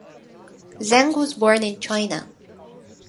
Zheng was born in China.